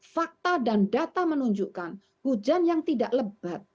fakta dan data menunjukkan hujan yang tidak lebat